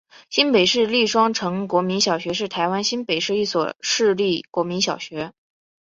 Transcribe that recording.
新北市立双城国民小学是台湾新北市一所市立国民小学。